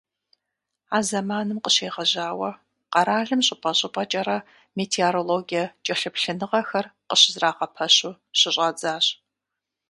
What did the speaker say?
А зэманым къыщегъэжьауэ къэралым щӀыпӀэ-щӀыпӀэкӀэрэ метеорологие кӀэлъыплъыныгъэхэр къыщызэрагъэпэщу щыщӀадзащ.